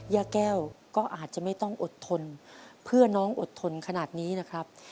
ย่าแก้วก็อาจจะไม่ต้องอดทนเพื่อน้องอดทนขนาดนี้นะครับ